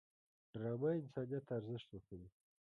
ډرامه انسانیت ته ارزښت ورکوي